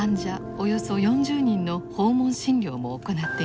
およそ４０人の訪問診療も行っています。